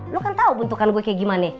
lo kan tau bentukan gue kayak gimana ya